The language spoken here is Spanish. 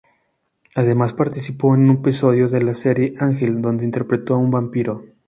Además participó en un episodio de la serie "Angel", donde interpretó a un vampiro.